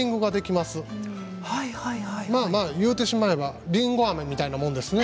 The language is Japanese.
まあまあ言うてしまえばりんごあめみたいなもんですね。